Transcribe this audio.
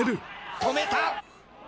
止めた！